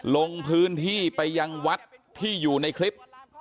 ลงพื้นที่ไปยังวัดที่อยู่ในคลิป